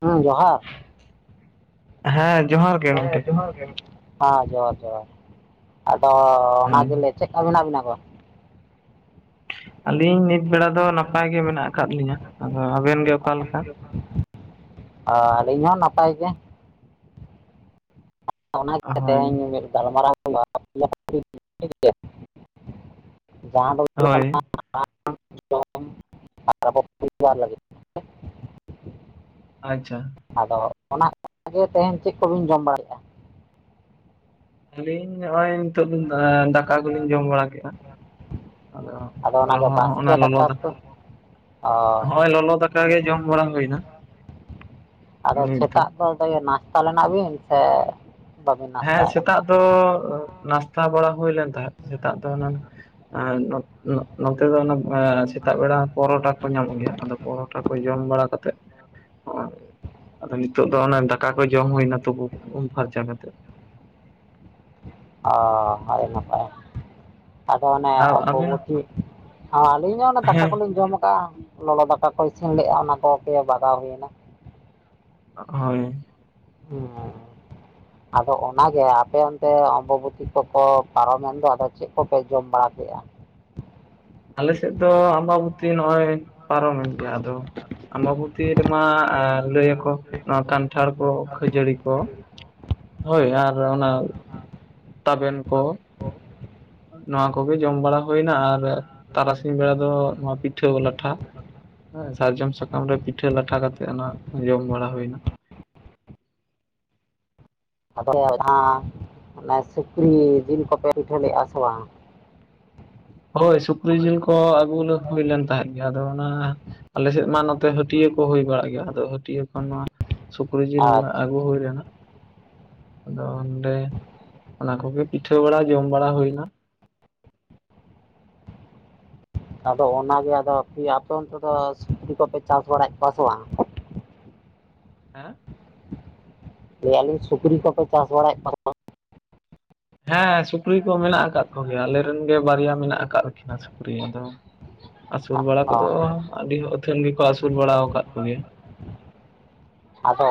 ᱦᱩᱸ ᱡᱚᱦᱟᱨ ᱦᱮᱸ ᱡᱚᱦᱟᱨ ᱜᱮ ᱦᱮ ᱜᱚᱝᱠᱮ ᱡᱚᱦᱟᱨ ᱜᱮ ᱦᱮᱸ ᱡᱚᱦᱟᱨ ᱡᱚᱦᱟᱨ ᱟᱫᱚ ᱚᱱᱟ ᱦᱳᱭ ᱜᱮᱞᱮ ᱪᱮᱫ ᱞᱮᱠᱟ ᱢᱮᱱᱟᱜ ᱵᱮᱱᱟ ᱜᱚ? ᱟᱹᱞᱤᱧ ᱱᱤᱛ ᱵᱮᱲᱟ ᱫᱚ ᱱᱟᱯᱟᱭ ᱜᱮ ᱢᱮᱱᱟᱜ ᱟᱠᱟᱫ ᱞᱤᱧᱟᱹ ᱟᱫᱚ ᱟᱵᱮᱱ ᱜᱮ ᱚᱠᱟ ᱞᱮᱠᱟ? ᱟᱨ ᱟᱹᱞᱤᱧ ᱦᱚᱸ ᱱᱟᱯᱟᱭ ᱜᱮ ᱚᱱᱟ ᱜᱮ ᱦᱳᱭ ᱛᱮᱦᱮᱧ ᱢᱤᱫ ᱜᱟᱞᱢᱟᱨᱟᱣ ᱦᱩᱭᱩᱜᱼᱟ ᱡᱟᱦᱟᱸ ᱫᱚ ᱦᱩᱭᱩᱜ ᱦᱳᱭ ᱠᱟᱱᱟ ᱟ ᱡᱚᱢ ᱟᱵᱚ ᱠᱚ‌ ᱞᱟᱹᱜᱤᱫ [inaudible] ᱟᱪᱪᱷᱟ ᱟᱫᱚ ᱚᱱᱟ ᱜᱮ ᱛᱮᱦᱮᱧ ᱪᱮᱫ ᱠᱚᱵᱮᱱ ᱡᱚᱢ ᱵᱟᱲᱟᱭᱮᱫᱼᱟ? ᱟᱹᱞᱤᱧ ᱱᱚᱜᱼᱚᱭ ᱱᱤᱛᱚᱜ ᱫᱟᱠᱟ ᱠᱚᱞᱤᱧ ᱡᱚᱢ ᱵᱟᱲᱟ ᱠᱮᱫᱼᱟ ᱟᱫᱚ ᱚᱱᱟᱜᱮ ᱨᱚᱦᱚ ᱦᱚᱸ ᱵᱟᱥᱠᱮ ᱚᱱᱟ ᱞᱚᱞᱚ ᱠᱚ ᱫᱟᱠᱟ ᱚ ᱦᱚᱸᱜᱼᱚᱭ ᱞᱚᱞᱚ ᱫᱟᱠᱟ ᱚᱱᱠᱟ ᱜᱮ ᱡᱚᱢ ᱵᱟᱲᱟ ᱦᱩᱭᱱᱟ ᱟᱫᱚ ᱥᱮᱛᱟᱜ ᱫᱚ ᱱᱟᱥᱛᱟ ᱞᱮᱱᱟ ᱵᱮᱱ ᱥᱮ? ᱵᱟᱹᱵᱤᱱ ᱱᱟᱥᱛᱟ ᱦᱮᱸ ᱟᱠᱟᱱᱟ ᱥᱮᱛᱟᱜ ᱫᱚ ᱱᱟᱥᱛᱟ ᱵᱟᱲᱟ ᱦᱩᱭ ᱞᱮᱱ ᱛᱟᱦᱮᱸᱫ ᱥᱮᱛᱟᱜ ᱫᱚ ᱮᱱᱟᱱ ᱱᱚᱛᱮ ᱱᱚ ᱱᱚᱛᱮ ᱫᱚ ᱚᱱᱟ ᱥᱮᱛᱟᱜ ᱵᱮᱲᱟ ᱯᱚᱨᱚᱴᱷᱟ ᱠᱚ ᱧᱟᱢᱚᱜ ᱜᱮᱭᱟ ᱟᱫᱚ ᱯᱚᱨᱚᱴᱷᱟ ᱠᱚ ᱡᱚᱢ ᱵᱟᱲᱟ ᱠᱟᱛᱮᱜ᱾ ᱦᱚᱸᱼᱚᱭ ᱟᱫᱚ ᱱᱤᱛᱚᱜ ᱫᱚ ᱚᱱᱮ ᱫᱟᱠᱟ ᱠᱚ ᱡᱚᱢ ᱦᱩᱭᱱᱟ ᱦᱩᱛᱩᱢ ᱩᱢ ᱯᱷᱟᱨᱪᱟ ᱠᱟᱛᱮᱜ᱾ ᱚ ᱟᱦᱚ ᱱᱟᱯᱟᱭ᱾ ᱟᱫᱚ ᱚᱱᱮ ᱟᱨ ᱟᱵᱮᱱ ᱚᱢᱵᱚᱵᱚᱛᱤ ᱟᱹᱞᱤᱧ ᱦᱚᱸ ᱚᱱᱮ ᱫᱟᱠᱟ ᱦᱮᱸ ᱠᱚᱞᱤᱧ ᱡᱚᱢ ᱟᱠᱟᱜᱼᱟ᱾ ᱞᱚᱞᱚ ᱫᱟᱠᱟ ᱠᱚ ᱤᱥᱤᱱ ᱞᱮᱫᱼᱟ ᱚᱱᱟ ᱠᱚ ᱵᱟᱜᱟᱣ ᱦᱩᱭᱮᱱᱟ᱾ ᱦᱳᱭ ᱦ ᱟᱫᱚ ᱚᱱᱟᱜᱮ ᱟᱯᱮ ᱚᱱᱛᱮ ᱚᱢᱵᱚᱵᱚᱛᱤ ᱠᱚᱠᱚ ᱯᱟᱨᱚᱢᱮᱱ ᱫᱚ ᱟᱫᱚ ᱪᱮᱫ ᱠᱚᱯᱮ ᱡᱚᱢ ᱵᱟᱲᱟ ᱠᱮᱫᱼᱟ? ᱟᱞᱮᱥᱮᱫ ᱫᱚ ᱟᱢᱵᱟᱵᱚᱛᱤ ᱱᱚᱜᱼᱚᱭ ᱯᱟᱨᱚᱢᱮᱱ ᱜᱮᱭᱟ ᱟᱫᱚ᱾ ᱟᱢᱵᱟᱵᱚᱛᱤ ᱨᱮᱢᱟ ᱞᱟᱹᱭ ᱟᱠᱚ ᱱᱚᱣᱟ ᱠᱟᱱᱴᱷᱟᱲ ᱠᱚ ᱠᱷᱟᱹᱡᱟᱹᱲᱤ ᱠᱚ᱾ ᱦᱳᱭ ᱟᱨ ᱚᱱᱟ ᱛᱟᱵᱮᱱ ᱠᱚ᱾ ᱱᱚᱣᱟ ᱠᱚᱜᱮ ᱡᱚᱢ ᱵᱟᱲᱟ ᱦᱩᱭᱱᱟ ᱟᱨ ᱛᱟᱨᱟᱥᱤᱧ ᱵᱮᱲᱟ ᱫᱚ ᱱᱚᱣᱟ ᱯᱤᱴᱷᱟᱹ ᱞᱟᱴᱷᱟ᱾ ᱥᱟᱨᱡᱚᱢ ᱥᱟᱠᱟᱢ ᱨᱮ ᱯᱤᱴᱷᱟᱹ ᱞᱟᱴᱷᱟ ᱠᱟᱛᱮᱜ ᱚᱱᱟ ᱡᱚᱢ ᱵᱟᱲᱟ ᱦᱩᱭᱱᱟ᱾ ᱟᱫᱚ ᱡᱟᱦᱟᱸ ᱚᱱᱮ ᱥᱩᱠᱨᱤ ᱡᱤᱞ ᱠᱚᱯᱮ ᱯᱤᱴᱷᱟᱹ ᱞᱮᱫᱼᱟ ᱥᱮ ᱵᱟᱝ? ᱦᱳᱭ ᱥᱩᱠᱨᱤ ᱡᱤᱞ ᱠᱚ ᱟᱹᱜᱩ ᱦᱩᱭ ᱞᱮᱱ ᱛᱟᱦᱮᱸᱫ ᱜᱮ ᱟᱫᱚ᱾ ᱚᱱᱟ ᱟᱞᱮ ᱥᱮᱫ ᱢᱟ ᱱᱚᱛᱮ ᱦᱟᱹᱴᱭᱟᱹ ᱠᱚ ᱦᱩᱭ ᱵᱟᱲᱟᱜ ᱜᱮᱭᱟ ᱟᱫᱚ ᱦᱟᱹᱴᱭᱟᱹ ᱠᱷᱚᱱ ᱱᱚᱣᱟ᱾ ᱥᱩᱠᱨᱤ ᱡᱤᱞ ᱟᱪᱪᱷᱟ ᱟᱹᱜᱩ ᱦᱩᱭ ᱞᱮᱱᱟ᱾ ᱟᱫᱚ ᱚᱸᱰᱮ ᱚᱱᱟ ᱠᱚᱜᱮ ᱯᱤᱴᱷᱟᱹ ᱵᱟᱲᱟ ᱡᱚᱢ ᱵᱟᱲᱟ ᱦᱩᱭᱱᱟ᱾ ᱟᱫᱚ ᱚᱱᱟᱜᱮ ᱟᱫᱚ ᱟᱯᱮ ᱚᱱᱛᱮ ᱫᱚ ᱥᱩᱚᱵᱡᱤ ᱠᱚᱯᱮ ᱪᱟᱥ ᱵᱟᱲᱟᱭᱮᱫ ᱠᱚᱣᱟ ᱥᱮ ᱵᱟᱝ? ᱦᱮᱸ ᱞᱟᱹᱮᱫᱭᱟᱞᱤᱧ ᱥᱩᱠᱨᱤ ᱠᱚᱯᱮ ᱪᱟᱥ ᱵᱟᱲᱟᱭᱮᱫ ᱠᱚᱣᱟ᱾ ᱦᱮᱸ ᱥᱩᱠᱨᱤ ᱠᱚ ᱢᱮᱱᱟᱜ ᱟᱠᱟᱫ ᱠᱚᱜᱮᱭᱟ ᱟᱞᱮᱨᱮ ᱨᱮᱱ ᱜᱮ ᱵᱟᱨᱭᱟ ᱢᱮᱱᱟᱜ ᱟᱠᱟᱫ ᱠᱤᱱᱟ᱾ ᱥᱩᱠᱨᱤ ᱟᱫᱚ ᱟᱹᱥᱩᱞ ᱵᱟᱲᱟ ᱚ ᱠᱚᱫᱚ ᱟᱹᱰᱤ ᱟᱹᱛᱷᱟᱹᱱ ᱜᱮᱠᱚ ᱟᱹᱥᱩᱞ ᱵᱟᱲᱟ ᱟᱠᱟᱫ ᱠᱚᱜᱮᱭᱟ᱾ ᱟᱫᱚ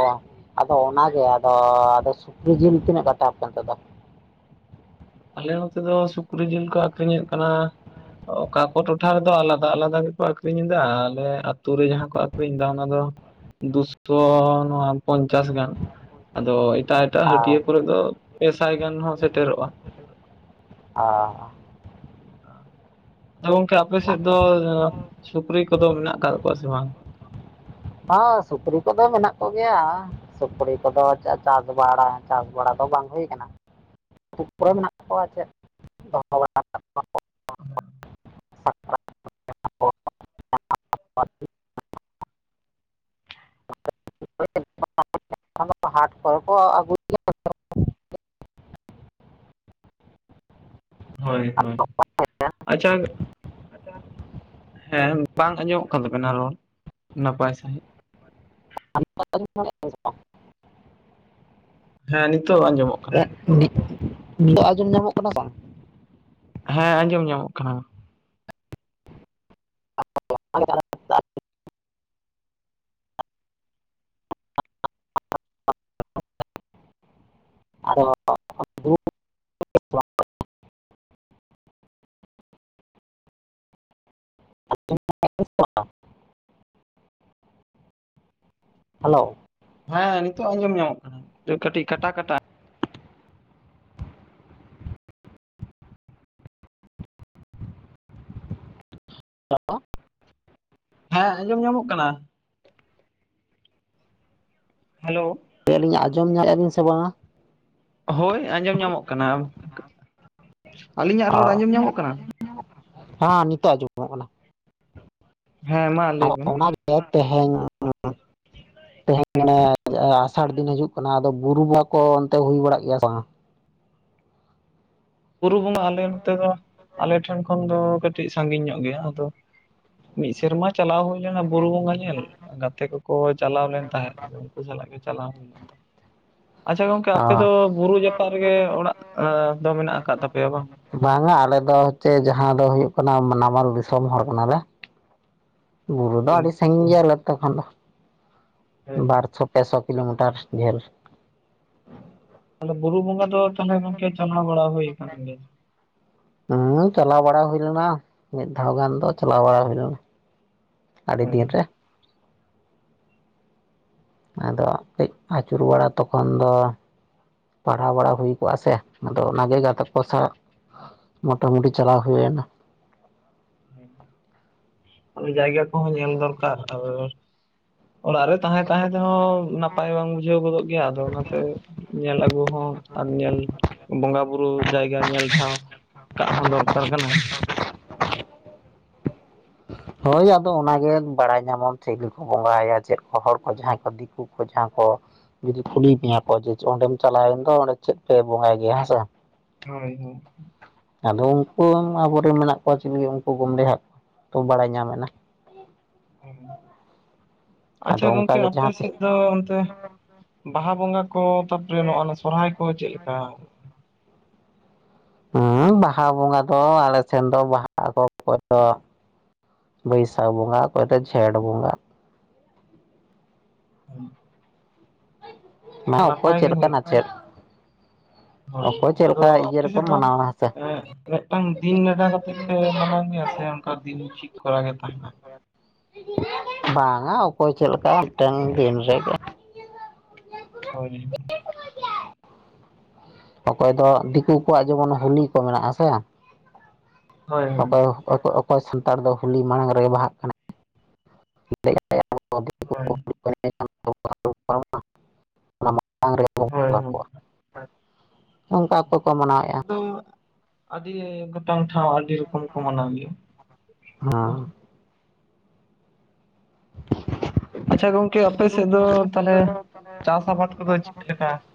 ᱟᱫᱚ ᱚᱱᱟᱜᱮ ᱟᱫᱚ ᱟᱫᱚ ᱥᱩᱠᱨᱤ ᱡᱤᱞ ᱛᱤᱱᱟᱹᱜ ᱠᱟᱛᱟᱣ ᱠᱟᱱᱛᱮ ᱫᱚ? ᱟᱞᱮ ᱱᱚᱛᱮ ᱫᱚ ᱥᱩᱠᱨᱤ ᱡᱤᱞ ᱠᱚ ᱟᱹᱠᱷᱨᱤᱧᱮᱫ ᱠᱟᱱᱟ᱾ ᱚᱠᱟ ᱠᱚ ᱴᱚᱴᱷᱟ ᱨᱮᱫᱚ ᱟᱞᱟᱫᱟ ᱟᱞᱟᱫᱟ ᱜᱮᱠᱚ ᱟᱠᱷᱨᱤᱧ ᱮᱫᱟ ᱟᱞᱮ ᱟᱛᱩ ᱨᱮ ᱡᱟᱦᱟᱸ ᱠᱚ ᱟᱠᱷᱨᱤᱧ ᱮᱫᱟ ᱚᱱᱟ ᱫᱚ ᱫᱩᱥᱚ ᱱᱚᱣᱟ ᱯᱚᱧᱪᱟᱥ ᱜᱟᱱ ᱟᱫᱚ ᱮᱴᱟᱜ᱾ ᱮᱴᱟᱜ ᱟᱨ ᱦᱟᱹᱴᱤᱭᱟᱹ ᱠᱚᱨᱮ ᱫᱚ ᱯᱮ ᱥᱟᱭ ᱜᱟᱱ ᱦᱚᱸ ᱥᱮᱴᱮᱨᱚᱜᱼᱟ᱾ ᱚ ᱟᱫᱚ ᱜᱚᱝᱠᱮ ᱟᱯᱮ ᱥᱮᱫ ᱫᱚ ᱥᱩᱠᱨᱤ ᱠᱚᱫᱚ ᱢᱮᱱᱟᱜ ᱟᱠᱟᱫ ᱠᱚᱣᱟ ᱥᱮ ᱵᱟᱝ? ᱦ ᱥᱩᱠᱨᱤ ᱠᱚᱫᱚ ᱢᱮᱱᱟᱜ ᱠᱚᱜᱮᱭᱟ᱾ ᱥᱩᱠᱨᱤ ᱠᱚᱫᱚ ᱪᱟᱥ ᱵᱟᱲᱟ ᱪᱟᱥ ᱵᱟᱲᱟ ᱫᱚ ᱵᱟᱝ ᱦᱩᱭ ᱟᱠᱟᱱᱟ᱾ ᱟᱛᱩ ᱠᱨᱮ ᱢᱮᱱᱟᱜ ᱠᱚᱣᱟ ᱪᱮᱫ ᱫᱚᱦᱚ ᱵᱟ [unintelligible] ᱦᱟᱴ ᱠᱚ ᱠᱚ ᱟᱹᱜᱩᱭᱟ᱾ ᱦᱳᱭ ᱦᱳᱭ ᱟᱪᱷᱟ᱾ ᱟᱪᱷᱟ ᱦᱮᱸ ᱵᱟᱝ ᱟᱸᱡᱚᱢᱚᱜ ᱠᱟᱱ ᱛᱟᱵᱮᱱᱟ ᱨᱚᱲ ᱱᱟᱯᱟᱭ ᱥᱟᱺᱦᱤᱡ᱾ [unintelligible] ᱦᱮᱸ ᱱᱤᱛᱚᱜ ᱟᱸᱡᱚᱢᱚᱜ ᱠᱟᱱᱟ᱾ [unintelligible] ᱚᱜ ᱟᱡᱚᱱ ᱧᱟᱢᱚᱜ ᱠᱟᱱᱟ ᱵᱟᱝ? ᱦᱮᱸ ᱟᱸᱡᱚᱢ ᱧᱟᱢᱚᱜ ᱠᱟᱱᱟ᱾ [unintelligible] [unintelligible] ᱟᱫᱚ [unintelligible] ᱦᱮᱞᱳ ᱦᱮᱸ ᱱᱤᱛᱚᱜ ᱟᱸᱡᱚᱢ ᱧᱟᱢᱚᱜ ᱠᱟᱱᱟ ᱠᱟᱹᱴᱤᱡ ᱠᱟᱴᱟ ᱠᱟᱴᱟ᱾ ᱦᱮᱸ ᱟᱸᱡᱚᱢ ᱧᱟᱢᱚᱜ ᱠᱟᱱᱟ᱾ ᱦᱮᱞᱳ᱾ ᱞᱟᱭ ᱟᱹᱞᱤᱧ ᱟᱸᱚᱢ ᱧᱮᱫᱼᱟ ᱵᱮᱧ ᱥᱮ ᱵᱟᱝᱟ? ᱦᱳᱭ ᱟᱸᱡᱚᱢ ᱧᱟᱢᱚᱜ ᱠᱟᱱᱟ ᱟᱹᱞᱤᱧᱟᱜ ᱨᱚᱲ ᱚ ᱟᱸᱡᱚᱢ ᱧᱟᱢᱚᱜ ᱠᱟᱱᱟ? ᱦᱮᱸ ᱱᱤᱛᱚᱜ ᱟᱹᱱᱡᱚᱢ ᱚᱜ ᱠᱟᱱᱟ ᱱᱚ ᱚᱱᱟ ᱦᱮᱸ ᱢᱟ ᱞᱟᱹᱭ ᱟᱨ ᱵᱮᱱ ᱚᱱᱟ ᱜᱮ ᱛᱮᱦᱮᱧ ᱛᱮᱦᱮᱧ ᱢᱟᱱᱮ ᱟᱥᱟᱲ ᱫᱤᱱ ᱦᱤᱡᱩᱜ ᱠᱟᱱᱟ ᱟᱫᱚ ᱵᱩᱨᱩ ᱢᱟ ᱠᱚ ᱚᱱᱛᱮ ᱦᱩᱭ ᱵᱟᱲᱟᱜ ᱜᱮᱭᱟ ᱵᱟᱝ? ᱯᱩᱨᱩ ᱵᱚᱸᱜᱟ ᱟᱞᱮ ᱱᱚᱛᱮ ᱫᱚ ᱟᱞᱮ ᱴᱷᱮᱱ ᱠᱷᱚᱱ ᱫᱚ ᱠᱟᱴ ᱠᱟᱹᱴᱤᱡ ᱥᱟᱺᱜᱤᱧ ᱧᱚᱜ ᱜᱮᱭᱟ ᱟᱫᱚ ᱢᱤᱫ ᱥᱮᱨᱢᱟ ᱪᱟᱞᱟᱣ ᱦᱩᱭ ᱞᱮᱱᱟ ᱵᱩᱨᱩ ᱵᱚᱸᱜᱟ ᱧᱮᱞ ᱜᱟᱛᱮ ᱠᱚ ᱠᱚ ᱪᱟᱞᱟᱣ ᱞᱮᱱ ᱛᱟᱦᱮᱸᱫ ᱟᱫᱚ ᱩᱱᱠᱩ ᱥᱟᱞᱟᱜ ᱜᱮ ᱪᱟᱞᱟᱣ ᱦᱩᱭ ᱞᱮᱱᱟ ᱾ ᱟᱪᱪᱷᱟ ᱜᱚᱝᱠᱮ ᱟᱯᱮ ᱚ ᱫᱚ ᱵᱩᱨᱩ ᱡᱟᱯᱟᱜ ᱨᱮᱜᱮ ᱚᱲᱟᱜ ᱫᱚ ᱢᱮᱱᱟᱜ - ᱟ ᱾ ᱵᱟᱝᱟ ᱟᱞᱮ ᱫᱚ ᱦᱚᱪᱷᱮ ᱡᱟᱦᱟᱸ ᱫᱚ ᱦᱩᱭᱩᱜ ᱠᱟᱱᱟ ᱱᱟᱢᱟᱞ ᱫᱤᱥᱚᱢ ᱦᱚᱲ ᱠᱟᱱᱟᱞᱮ ᱵᱩᱨᱩ ᱫᱚ ᱦᱳᱭ ᱟᱹᱰᱤ ᱥᱟᱹᱜᱤᱧ ᱜᱮᱭᱟ ᱟᱞᱮ ᱟᱹᱛᱳ ᱠᱷᱚᱱ ᱫᱚ ᱦᱳᱭ ᱵᱟᱨ ᱪᱷᱚᱠ ᱯᱮᱥᱚ ᱠᱤᱞᱳᱢᱤᱴᱟᱨ ᱰᱷᱮᱨ ᱛᱟᱦᱚᱞᱮ ᱵᱩᱨᱩ ᱵᱚᱸᱜᱟ ᱫᱚ ᱛᱟᱦᱚᱞᱮ ᱜᱚᱝᱠᱮ ᱪᱟᱞᱟᱣ ᱵᱟᱲᱟ ᱦᱩᱭ ᱠᱟᱱ ᱜᱮᱭᱟ ᱦᱮᱸ ᱪᱟᱞᱟᱣ ᱵᱟᱲᱟ ᱦᱩᱭ ᱞᱮᱱᱟ ᱢᱤᱫ ᱫᱷᱟᱣ ᱜᱟᱱ ᱫᱚ ᱪᱟᱞᱟᱣ ᱵᱟᱲᱟ ᱦᱩᱭ ᱞᱮᱱᱟ ᱾ ᱟᱹᱰᱤ ᱫᱤᱱ ᱨᱮ ᱟᱫᱚ ᱠᱟᱹᱡ ᱟᱹᱪᱩᱨ ᱵᱟᱲᱟ ᱛᱚᱠᱷᱚᱱ ᱫᱚ ᱯᱟᱲᱦᱟᱣ ᱵᱟᱲᱟ ᱦᱩᱭ ᱠᱚᱜᱼᱟ ᱥᱮ ᱟᱫᱚ ᱚᱱᱟᱜᱮ ᱜᱟᱛᱮᱠ ᱠᱚ ᱥᱟᱶ ᱢᱳᱚᱴᱟᱢᱩᱴᱤ ᱪᱟᱞᱟᱣ ᱦᱩᱭᱱᱟ ᱟᱫᱚ ᱡᱟᱭᱜᱟ ᱠᱚᱦᱚᱸ ᱧᱮᱞ ᱫᱚᱨᱠᱟᱨ ᱟᱫᱚ ᱚᱲᱟᱜ ᱨᱮ ᱛᱟᱦᱮᱸ ᱛᱟᱦᱮᱸ ᱛᱮᱦᱚᱸ ᱱᱟᱯᱟᱭ ᱵᱟᱝ ᱵᱩᱡᱷᱟᱹᱣ ᱜᱚᱫᱚᱜ ᱜᱮᱭᱟ ᱟᱫᱚ ᱚᱱᱟᱛᱮ ᱧᱮᱞ ᱟᱹᱜᱩ ᱦᱚᱸ ᱟᱨ ᱧᱮᱞ ᱵᱚᱸᱜᱟ ᱵᱩᱨᱩ ᱡᱟᱭᱜᱟ ᱧᱮᱞ ᱴᱷᱟᱶ ᱾ ᱠᱟᱜ ᱦᱚᱸ ᱫᱚᱨᱠᱟᱨ ᱠᱟᱱᱟ ᱾ ᱦᱳᱭ ᱟᱫᱚ ᱚᱱᱟᱜ ᱜᱮ ᱵᱟᱲᱟᱭ ᱧᱟᱢᱚᱱ ᱪᱮᱫ ᱜᱮᱠᱚ ᱵᱚᱸᱜᱟᱭᱟ ᱪᱮᱫ ᱠᱚ ᱦᱚᱲ ᱠᱚ ᱡᱟᱦᱟᱸᱭ ᱠᱚ ᱫᱤᱠᱩ ᱠᱚ ᱡᱟᱦᱟᱸ ᱠᱚ ᱡᱩᱫᱤ ᱠᱩᱞᱤ ᱢᱮᱭᱟ ᱠᱚ ᱡ ᱚᱸᱰᱮᱢ ᱪᱟᱞᱟᱣᱮᱱ ᱫᱚ ᱚᱸᱰᱮ ᱪᱮᱫ ᱯᱮ ᱵᱚᱸᱜᱟᱭ ᱜᱮᱭᱟ ᱦᱮᱸᱥᱮ ᱾ ᱦᱳᱭ ᱦᱳ ᱟᱫᱚ ᱩᱱᱠᱩ ᱟᱵᱚᱨᱮᱱ ᱢᱮᱱᱟᱜ ᱠᱚᱣᱟ ᱪᱮᱫ ᱞᱟᱹᱜᱤᱫ ᱩᱱᱠᱩ ᱵᱟᱢᱲᱮ ᱦᱟᱸᱜ ᱛᱚ ᱵᱟᱲᱟᱭ ᱧᱟᱢᱮᱱᱟ ᱾ ᱟᱪᱪᱷᱟ ᱟᱫᱚ ᱜᱚᱢᱠᱮ ᱚᱱᱠᱟᱜᱮ ᱟᱯᱮ ᱡᱟᱦᱟᱸ ᱛᱤᱥ ᱥᱮᱫ ᱫᱚ ᱚᱱᱛᱮ ᱵᱟᱦᱟ ᱵᱚᱸᱜᱟ ᱠᱚ ᱛᱟᱯᱚᱨᱮ ᱱᱚᱜᱚᱭ ᱥᱚᱨᱦᱟᱭ ᱠᱚ ᱪᱮᱫᱮᱠᱟ? ᱦᱮᱸ ᱵᱟᱦᱟ ᱵᱚᱸᱜᱟ ᱫᱚ ᱟᱞᱮ ᱥᱮᱱ ᱫᱚ ᱵᱟᱦᱟ ᱚᱠᱚᱭ ᱫᱚ ᱵᱟᱹᱭᱥᱟᱠᱷ ᱵᱚᱸᱜᱟ ᱚᱠᱚᱭ ᱡᱷᱮᱴ ᱵᱚᱸᱜᱟ ᱦᱳᱭ ᱢᱟ ᱚᱠᱚᱭ ᱜᱮ ᱪᱮᱫ ᱦᱩᱭᱩᱜ ᱠᱟᱱᱟ ᱪᱮᱫ? ᱦᱳᱭ ᱟᱫᱚ ᱞᱮᱠᱟ ᱤᱭᱟᱹ ᱟᱯᱮ ᱨᱮᱠᱚ ᱥᱮᱫ ᱫᱚ ᱢᱟᱱᱟᱣᱟ ᱦᱮᱸ ᱥᱮ ᱢᱤᱫᱴᱟᱝ ᱫᱤᱱ ᱱᱮᱰᱟ ᱠᱟᱛᱮᱜ ᱯᱮ ᱢᱟᱱᱟᱣ ᱢᱮᱭᱟ ᱥᱮ ᱚᱱᱠᱟ ᱫᱤᱱ ᱴᱷᱤᱠ ᱠᱚᱨᱟ ᱜᱮ ᱛᱟᱦᱮᱱᱟ ᱾ ᱵᱟᱝᱟ ᱚᱠᱚᱭ ᱪᱮᱫ ᱞᱮᱠᱟ ᱢᱤᱫᱴᱟᱝ ᱫᱤᱱ ᱨᱮᱜᱮ ᱾ ᱦᱳᱭ ᱚᱠᱚᱭ ᱫᱚ ᱫᱤᱠᱩ ᱠᱚᱣᱟᱜ ᱡᱮᱢᱚᱱ ᱦᱳᱞᱤ ᱠᱚ ᱢᱮᱱᱟᱜ ᱥᱮ ᱦᱳᱭ ᱚᱠᱚᱭ ᱚᱠᱚᱭ ᱚᱠᱚᱭ ᱥᱟᱱᱛᱟᱲ ᱫᱚ ᱦᱳᱞᱤ ᱢᱟᱲᱟᱝ ᱨᱮᱜᱮ ᱵᱟᱦᱟᱜ ᱠᱟᱱᱟ ᱾ [inaudible] ᱦᱳᱭ ᱚᱱᱟ ᱢᱟᱲᱟᱝ ᱨᱮ ᱵᱚᱱ ᱦᱳᱭ ᱵᱚᱸᱜᱟ ᱦᱳᱭ ᱠᱚᱣᱟ ᱱᱚᱝᱠᱟ ᱠᱚ ᱠᱚ ᱢᱟᱱᱟᱣᱮᱫᱼᱟ ᱾ ᱟᱫᱚ ᱟᱹᱰᱤ ᱜᱚᱴᱟᱝ ᱴᱷᱟᱶ ᱟᱹᱰᱤ ᱨᱚᱠᱚᱢ ᱠᱚ ᱢᱟᱱᱟᱣ ᱜᱮᱭᱟ ᱾ ᱟᱪᱪᱷᱟ ᱜᱚᱝᱠᱮ ᱟᱯᱮ ᱥᱮᱫ ᱫᱚ ᱛᱟᱦᱚᱞᱮ ᱪᱟᱥ ᱟᱵᱟᱫ ᱠᱚᱫᱚ ᱪᱮᱫ ᱞᱮᱠᱟ ᱾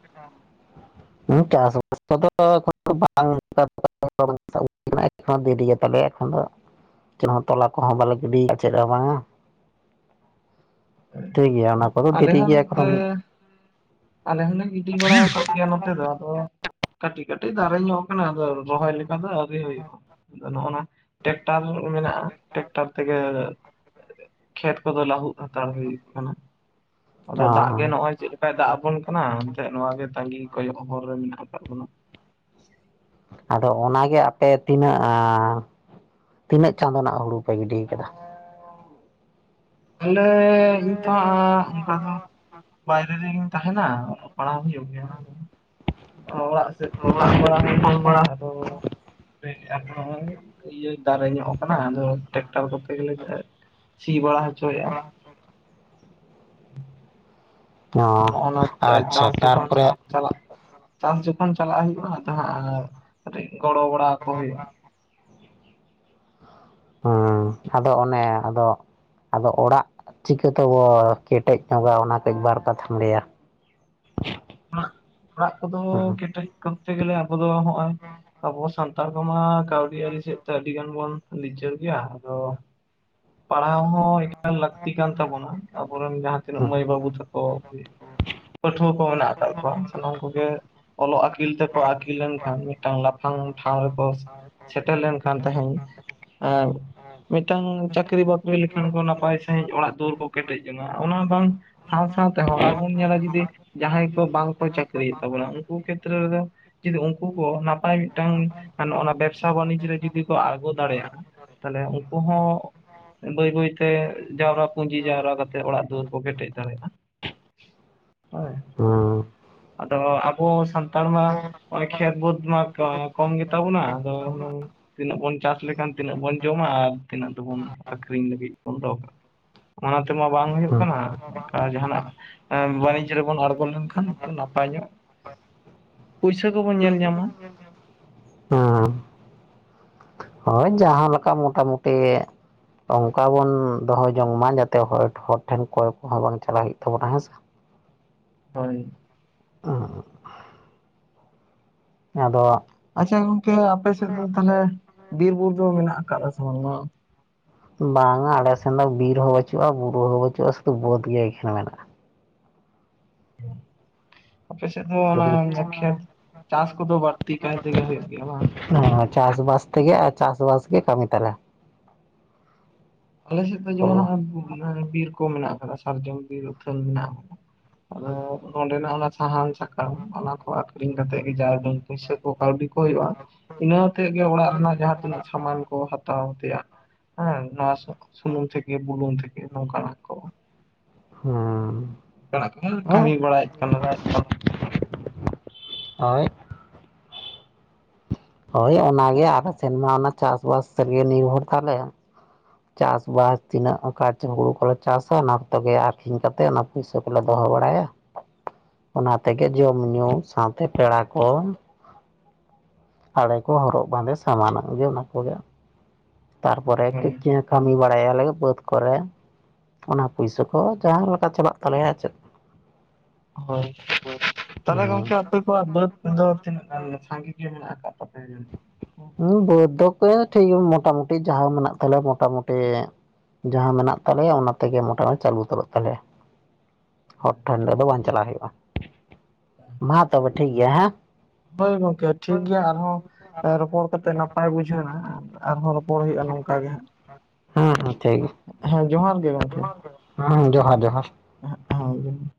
ᱦᱮᱸ ᱪᱟᱥᱵᱟᱥ ᱠᱚ ᱮᱠᱷᱚᱱ ᱫᱚ ᱵᱟᱝ ᱮ ᱫᱮᱨᱤ ᱛᱟᱞᱮ ᱮᱠᱷᱚᱱ ᱫᱚ ᱪᱮᱫ ᱦᱚᱸ ᱛᱚᱞᱟ ᱠᱚᱦᱚᱸ ᱵᱟᱞᱮ ᱜᱤᱰᱤ ᱪᱮᱫ ᱦᱚᱸ ᱵᱟᱝᱟ ᱴᱷᱤᱠ ᱜᱮᱭᱟ ᱚᱱᱟ ᱠᱚᱫᱚ ᱟᱞᱮ ᱫᱮᱨᱤ ᱦᱚᱸ ᱜᱮᱭᱟ ᱱᱚᱛᱮ ᱮᱠᱷᱚᱱ ᱫᱚ ᱟᱞᱮ ᱦᱚᱸᱞᱮ ᱜᱤᱰᱤ ᱵᱟᱲᱟ ᱟᱠᱟᱫ ᱜᱮᱭᱟ ᱱᱚᱛᱮ ᱫᱚ ᱟᱫᱚ ᱠᱟᱹᱴᱤᱡ ᱠᱟᱹᱴᱤᱡ ᱫᱟᱨᱮ ᱧᱚᱜ ᱠᱟᱱᱟ ᱟᱫᱚ ᱨᱚᱦᱚᱭ ᱞᱮᱠᱟ ᱫᱚ ᱟᱹᱣᱨᱤ ᱦᱩᱭᱩᱜᱼᱟ ᱟᱫᱚ ᱱᱚᱜᱼᱚᱱᱟ ᱴᱮᱠᱴᱟᱨ ᱢᱮᱱᱟᱜᱼᱟ ᱴᱮᱠᱴᱟᱨ ᱛᱮᱜᱮ ᱠᱷᱮᱛ ᱠᱚᱫᱚ ᱞᱟᱹᱦᱩᱫ ᱦᱟᱛᱟᱲ ᱦᱩᱭᱩᱜ ᱠᱟᱱᱟ ᱾ ᱟᱫᱚ ᱚ ᱫᱟᱜ ᱜᱮ ᱱᱚᱜ ᱚᱚᱭ ᱪᱮᱫ ᱞᱮᱠᱟᱭ ᱫᱟᱜ ᱟᱵᱚᱱ ᱠᱟᱱᱟ ᱮᱱᱛᱮᱜ ᱱᱚᱣᱟ ᱜᱮ ᱛᱟᱹᱜᱤ ᱠᱚᱭᱚᱜ ᱦᱚᱨ ᱨᱮ ᱢᱮᱱᱟᱜ ᱟᱠᱟᱫ ᱵᱚᱱᱟ ᱾ ᱟᱫᱚ ᱚᱱᱟᱜᱮ ᱟᱯᱮ ᱛᱤᱱᱟᱹᱜ ᱛᱤᱱᱟᱹᱜ ᱪᱟᱸᱫᱳ ᱱᱟᱜ ᱦᱩᱲᱩ ᱯᱮ ᱜᱤᱰᱤ ᱠᱟᱫᱟ ᱾ ᱟᱞᱮ ᱱᱤᱛᱚᱜ ᱚᱱᱠᱟ ᱫᱚ ᱵᱟᱭᱨᱮ ᱨᱮᱜᱮ ᱛᱟᱦᱮᱸᱱᱟ ᱚᱞᱚᱜ ᱯᱟᱲᱦᱟᱣ ᱦᱩᱭᱩᱜ ᱜᱮᱭᱟ ᱾ ᱚᱲᱟᱜ ᱥᱮᱫ ᱯᱷᱳᱱ ᱵᱟᱲᱟ ᱦᱩᱭ ᱞᱮᱱ ᱛᱟᱦᱮᱸᱫ ᱟᱫᱚ ᱤᱭᱟᱹ ᱫᱟᱨᱮ ᱧᱚᱜ ᱟᱠᱟᱱᱟ ᱟᱫᱚ ᱴᱮᱠᱴᱟᱨ ᱠᱚᱛᱮ ᱜᱮᱞᱮ ᱥᱤ ᱵᱟᱲᱟ ᱦᱚᱪᱚᱭᱮᱫ-ᱟ ᱚ ᱱᱚᱸᱜ ᱱᱟ ᱟᱪᱪᱷᱟ ᱪᱟᱥ ᱡᱚᱠᱷᱚᱱ ᱛᱟᱨᱯᱚᱨᱮ ᱪᱟᱞᱟᱜ ᱪᱟᱥ ᱡᱚᱠᱷᱚᱱ ᱪᱟᱞᱟᱜ ᱦᱩᱭᱩᱜ-ᱟ ᱟᱫᱚ ᱦᱟᱸᱜ ᱠᱟᱴᱤᱡ ᱜᱚᱲᱚ ᱵᱟᱲᱟ ᱠᱚ ᱦᱩᱭᱩᱜ-ᱟ ᱦᱮᱸ ᱟᱫᱚ ᱚᱱᱮ ᱟᱫᱚ ᱟᱫᱚ ᱚᱲᱟᱜ ᱪᱤᱠᱟᱹ ᱛᱮᱵᱚ ᱠᱮᱴᱮᱡ ᱧᱚᱜᱟ ᱚᱱᱟ ᱛᱮᱜᱮ ᱵᱟᱨ ᱠᱟᱛᱷᱟᱢ ᱞᱟᱹᱭᱟ ᱾ ᱚᱲᱟᱜ ᱠᱚᱫᱚ ᱦᱮᱸ ᱠᱮᱴᱮᱡ ᱠᱚᱨᱛᱮ ᱜᱮᱞᱮ ᱟᱵᱚ ᱫᱚ ᱱᱚᱜ-ᱚᱭ ᱟᱵᱚ ᱥᱟᱱ ᱥᱟᱱᱛᱟᱲ ᱠᱚᱢᱟ ᱠᱟᱹᱣᱰᱤ ᱟᱹᱨᱤ ᱥᱮᱫ ᱛᱮ ᱟᱹᱰᱤ ᱜᱟᱱ ᱵᱚᱱ ᱞᱤᱪᱟᱹᱲ ᱜᱮᱭᱟ ᱟᱫᱚ ᱯᱟᱲᱦᱟᱣ ᱦᱚᱸ ᱮᱠᱟᱞ ᱞᱟᱹᱠᱛᱤ ᱠᱟᱱ ᱛᱟᱵᱚᱱᱟ ᱟᱵᱚᱨᱮᱱ ᱡᱟᱦᱟᱸ ᱛᱤᱱᱟᱹᱜ ᱦᱮᱸ ᱢᱟᱹᱭ ᱵᱟᱹᱵᱩ ᱛᱟᱠᱚ ᱯᱟᱹᱴᱷᱩᱣᱟᱹ ᱠᱚ ᱢᱮᱱᱟᱜ ᱟᱠᱟᱫ ᱠᱚᱣᱟ ᱥᱟᱱᱟᱢ ᱠᱚᱜᱮ ᱚᱞᱚᱜ ᱟᱹᱠᱤᱞ ᱛᱮᱠᱚ ᱟᱹᱠᱤᱞ ᱞᱮᱱᱠᱷᱟᱱ ᱢᱤᱫᱴᱟᱝ ᱞᱟᱯᱷᱟᱝ ᱴᱷᱟᱶ ᱨᱮᱠᱚ ᱥᱮᱴᱮᱨ ᱞᱮᱱᱠᱷᱟᱱ ᱛᱟᱦᱮᱧ ᱢᱤᱫᱴᱟᱝ ᱪᱟᱹᱠᱨᱤ ᱵᱟᱹᱠᱨᱤ ᱞᱮᱠᱷᱟᱱ ᱠᱚ ᱱᱟᱯᱟᱭ ᱥᱟᱺᱦᱤᱡ ᱚᱲᱟᱜ ᱫᱩᱣᱟᱹᱨ ᱠᱚ ᱠᱮᱴᱮᱡ ᱡᱚᱝ-ᱟ ᱚᱱᱟ ᱵᱟᱝ ᱥᱟᱶ ᱥᱟᱶ ᱛᱮᱦᱚ ᱟᱨᱵᱚᱱ ᱧᱮᱞᱟ ᱡᱩᱫᱤ ᱡᱟᱦᱟᱸᱭ ᱠᱚ ᱵᱟᱝ ᱠᱚ ᱪᱟᱹᱠᱨᱤᱭᱮᱫ ᱛᱟᱵᱚᱱᱟ ᱩᱱᱠᱩ ᱠᱷᱮᱛᱨᱮ ᱨᱮᱫᱚ ᱡᱩᱫᱤ ᱩᱱᱠᱩ ᱠᱚ ᱱᱟᱯᱟᱭ ᱢᱤᱫᱴᱟᱝ ᱱᱚᱱᱟᱜ ᱵᱮᱵᱽᱥᱟ ᱵᱟᱱᱤᱡᱽ ᱨᱮ ᱡᱩᱫᱤ ᱠᱚ ᱟᱬᱜᱚ ᱫᱟᱲᱮᱭᱟᱜ-ᱟ ᱛᱟᱦᱞᱮ ᱩᱱᱠᱩ ᱦᱚᱸ ᱵᱟᱹᱭ ᱵᱟᱹᱭᱛᱮ ᱡᱟᱣᱨᱟ ᱯᱩᱸᱡᱤ ᱡᱟᱣᱨᱟ ᱠᱟᱛᱮ ᱚᱲᱟᱜ ᱫᱩᱣᱟᱹᱨ ᱠᱚ ᱠᱮᱴᱮᱡ ᱫᱟᱲᱮᱭᱟᱜ-ᱟ ᱾ ᱦᱳᱭ ᱦᱩᱸ ᱟᱫᱚ ᱟᱵᱚ ᱥᱟᱱᱛᱟᱲ ᱢᱟ ᱚᱱᱮ ᱠᱷᱮᱛ ᱵᱟᱹᱫᱽ ᱢᱟ ᱠᱚᱢ ᱜᱮᱛᱟ ᱵᱚᱱᱟ ᱟᱫᱚ ᱛᱤᱱᱟᱹᱜ ᱵᱚᱱ ᱪᱟᱥ ᱞᱮᱠᱷᱟᱱ ᱛᱤᱱᱟᱹᱜ ᱵᱚᱱ ᱡᱚᱢᱟ ᱟᱨ ᱛᱤᱱᱟᱹᱜ ᱫᱚᱵᱚᱱ ᱟᱠᱷᱨᱤᱧ ᱞᱟᱹᱜᱤᱫ ᱵᱚᱱ ᱫᱚᱦᱚ ᱠᱟᱜ-ᱟ ᱚᱱᱟ ᱛᱮᱢᱟ ᱵᱟᱝ ᱦᱩᱭᱩᱜ ᱦᱮᱸ ᱠᱟᱱᱟ ᱚᱱᱠᱟ ᱡᱟᱦᱟᱱᱟᱜ ᱵᱟᱱᱤᱡᱽ ᱨᱮᱵᱚᱱ ᱟᱬᱜᱚ ᱞᱮᱱᱠᱷᱟᱱ ᱠᱷᱟᱱ ᱱᱟᱯᱟᱭ ᱧᱚᱜ ᱯᱩᱭᱥᱟᱹ ᱫᱚᱵᱚᱱ ᱧᱮᱞ ᱧᱟᱢᱟ ᱦᱩᱸ ᱦᱳᱭ ᱡᱟᱦᱟᱸ ᱞᱮᱠᱟ ᱢᱚᱴᱟᱢᱩᱴᱤ ᱚᱱᱠᱟ ᱵᱚᱱ ᱫᱚᱦᱚ ᱡᱚᱝ ᱢᱟ ᱡᱟᱛᱮ ᱦᱚᱲ ᱦᱚᱲ ᱴᱷᱮᱱ ᱠᱚᱭ ᱠᱚᱦᱚᱸ ᱵᱟᱝ ᱪᱟᱞᱟᱣ ᱦᱩᱭᱩᱜ ᱛᱟᱵᱚᱱᱟ ᱦᱮᱸ ᱥᱮ ᱦᱳᱭ ᱦᱮᱸ ᱦᱮᱸ ᱟᱫᱚ ᱟᱪᱪᱷᱟ ᱜᱚᱝᱠᱮ ᱟᱯᱮ ᱥᱮᱫ ᱫᱚ ᱛᱟᱦᱚᱞᱮ ᱵᱤᱨᱵᱩᱨᱩ ᱫᱚ ᱢᱮᱱᱟᱜ ᱟᱠᱟᱫᱟ ᱥᱮ ᱵᱟᱝᱢᱟ ᱵᱟᱝᱟ ᱟᱞᱮ ᱥᱮᱱ ᱫᱚ ᱵᱤᱨ ᱦᱚᱸ ᱵᱟᱹᱪᱩᱜ-ᱟ ᱵᱩᱨᱩ ᱦᱚᱸ ᱵᱟᱹᱪᱩᱜ-ᱟ ᱥᱩᱫᱷᱩ ᱵᱟᱹᱫᱽ ᱜᱮ ᱮᱠᱷᱮᱱ ᱢᱮᱱᱟᱜ-ᱟ ᱟᱯᱮ ᱥᱮᱫ ᱫᱚ ᱚᱱᱟ ᱥᱩᱫᱷᱩ ᱠᱷᱮᱛ ᱪᱟᱥ ᱠᱚᱫᱚ ᱵᱟᱹᱲᱛᱤ ᱠᱟᱭ ᱛᱮᱜᱮ ᱦᱩᱭᱩᱜ ᱜᱮᱭᱟ ᱵᱟᱝ ᱦᱮ ᱪᱟᱥᱵᱟᱥ ᱛᱮᱜᱮ ᱟᱨ ᱪᱟᱥᱵᱟᱥ ᱜᱮ ᱠᱟᱹᱢᱤ ᱛᱟᱞᱮ ᱟᱞᱮ ᱥᱮᱫ ᱫᱚ ᱦᱩᱸ ᱡᱮᱢᱚᱱ ᱵᱤᱦᱟᱨ ᱨᱮ ᱵᱤᱨ ᱠᱚ ᱢᱮᱱᱟᱜ ᱟᱠᱟᱫᱟ ᱥᱟᱨᱡᱚᱢ ᱵᱤᱨ ᱟᱛᱷᱟᱹᱱ ᱢᱮᱱᱟᱜ ᱟᱫᱚ ᱱᱚᱸᱰᱮᱱᱟᱜ ᱚᱱᱟ ᱥᱟᱦᱟᱱ ᱥᱟᱠᱟᱢ ᱚᱱᱟᱠᱩ ᱟᱠᱷᱨᱤᱧ ᱠᱟᱛᱮᱜᱮ ᱡᱟ ᱩᱰᱟᱹᱝ ᱯᱩᱭᱥᱟᱹ ᱠᱚ ᱠᱟᱹᱣᱰᱤ ᱠᱚ ᱦᱩᱭᱩᱜ-ᱟ ᱾ ᱤᱱᱟᱹ ᱟᱛᱮ ᱜᱮ ᱚᱲᱟᱜ ᱨᱮᱱᱟᱜ ᱡᱟᱦᱟᱸ ᱛᱤᱱᱟᱹᱜ ᱥᱟᱢᱟᱱ ᱠᱚ ᱦᱟᱛᱟᱣ ᱛᱮᱭᱟᱜ ᱦᱮᱸ ᱱᱚᱣᱟ ᱥᱩᱱᱩᱢ ᱛᱷᱮᱠᱮ ᱵᱩᱞᱩᱱ ᱛᱷᱮᱠᱮ ᱱᱚᱝᱠᱟ ᱱᱟᱜ ᱠᱚ ᱦᱮᱸ ᱱᱚᱝᱠᱟᱱᱟᱜ ᱠᱚ ᱠᱟᱹᱢᱤ ᱵᱟᱲᱟᱭᱮᱫ ᱠᱟᱱᱟ ᱦᱚᱭ ᱦᱳᱭ ᱚᱱᱟᱜᱮ ᱟᱞᱮ ᱥᱮᱱᱢᱟ ᱚᱱᱟ ᱪᱟᱥᱵᱟᱥᱜᱮ ᱱᱤᱨᱵᱷᱚᱨ ᱛᱟᱞᱮ ᱪᱟᱥᱵᱟᱥ ᱛᱤᱱᱟᱹᱜ ᱚᱱᱠᱟ ᱦᱩᱲᱩ ᱠᱚᱞᱮ ᱪᱟᱥᱟ ᱚᱱᱟ ᱠᱚᱜᱮ ᱟᱠᱷᱨᱤᱧ ᱠᱟᱛᱮ ᱯᱩᱭᱥᱟᱹ ᱠᱚᱞᱮ ᱫᱚᱦᱚ ᱵᱟᱲᱟᱭᱟ ᱚᱱᱟ ᱛᱮᱜᱮ ᱡᱚᱢᱧᱩ ᱥᱟᱶᱛᱮ ᱯᱮᱲᱟ ᱠᱚ ᱟᱲᱮ ᱠᱚ ᱦᱚᱨᱚᱜ ᱵᱟᱸᱫᱮ ᱥᱟᱱᱟᱢᱟᱜ ᱜᱮ ᱚᱱᱟ ᱠᱚᱜᱮ ᱛᱟᱨᱯᱚᱨᱮ ᱦᱮᱸ ᱠᱟᱹᱢᱤ ᱵᱟᱲᱟᱭᱟᱞᱮ ᱵᱟᱹᱫᱽ ᱠᱚᱨᱮ ᱚᱱᱟ ᱯᱩᱭᱥᱟᱹ ᱠᱚ ᱡᱟᱦᱟᱸ ᱞᱮᱠᱟ ᱪᱟᱞᱟᱜ ᱛᱟᱞᱮᱭᱟ ᱪᱮᱫ ᱦᱳᱭ ᱛᱟᱦᱞᱮ ᱜᱚᱝᱠᱮ ᱟᱯᱮ ᱠᱚᱣᱟᱜ ᱵᱟᱹᱫᱽ ᱫᱚ ᱛᱤᱱᱟᱹᱜ ᱜᱟᱱ ᱥᱟᱸᱜᱮ ᱜᱮ ᱢᱮᱱᱟᱜ ᱟᱠᱟᱫ ᱛᱟᱯᱮᱭᱟ ᱡᱟᱹᱱᱤᱡ ᱦᱮᱸ, ᱵᱟᱹᱫᱽ ᱫᱚ ᱠᱚ ᱴᱷᱤᱠ ᱜᱮᱭᱟ ᱢᱚᱴᱟᱢᱩᱴᱤ ᱡᱟᱦᱟᱸ ᱢᱮᱱᱟᱜ ᱛᱟᱞᱮᱭᱟ ᱢᱚᱴᱟᱢᱩᱴᱤ ᱾ ᱡᱟᱦᱟᱸ ᱢᱮᱱᱟᱜ ᱛᱟᱞᱮᱭᱟ ᱚᱱᱟ ᱛᱮᱜᱮ ᱢᱚᱴᱟ ᱪᱟᱹᱞᱩ ᱩᱛᱟᱹᱨᱚᱜ ᱛᱟᱞᱮᱭᱟ ᱾ ᱦᱚᱲ ᱴᱷᱮᱱ ᱫᱚ ᱵᱟᱝ ᱪᱟᱞᱟᱜ ᱦᱩᱭᱩᱜᱼᱟ ᱾ ᱢᱟ ᱛᱚᱵᱮ ᱴᱷᱤᱠ ᱜᱮᱭᱟ ᱦᱮᱸ ᱾ ᱦᱳᱭ ᱜᱚᱝᱠᱮ ᱴᱷᱤᱠ ᱜᱮᱭᱟ ᱟᱨᱦᱚᱸ ᱾ ᱨᱚᱯᱚᱲ ᱠᱟᱛᱮ ᱱᱟᱯᱟᱭ ᱵᱩᱡᱷᱟᱹᱣ ᱱᱟ ᱟᱨᱦᱚᱸ ᱨᱚᱯᱚᱲ ᱦᱩᱭᱩᱜᱼᱟ ᱱᱚᱝᱠᱟ ᱜᱮ ᱦᱟᱸᱜ ᱾ ᱦᱮᱸ ᱦᱮᱸ ᱴᱷᱤᱠ ᱦᱮᱸ, ᱡᱚᱦᱟᱨ ᱜᱮ ᱜᱚᱝᱠᱮ ᱾ ᱦᱮᱸ᱾ ᱡᱚᱦᱟᱨ ᱡᱚᱦᱟᱨ ᱾ [unintelligible]